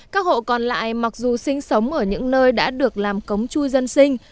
các hộ còn lại mặc dù sinh sống ở những nơi đã được làm cống chui dân sinh